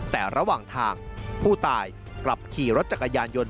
แต่ระหว่างทางผู้ตายกลับขี่รถจักรยานยนต์